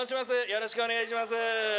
よろしくお願いします